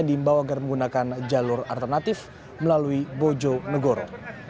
dibawa agar menggunakan jalur alternatif melalui bojo negoro